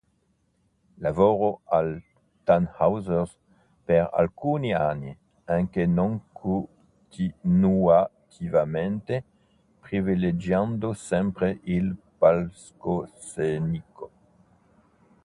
Lavorò alla Thanhouser per alcuni anni, anche non continuativamente, privilegiando sempre il palcoscenico.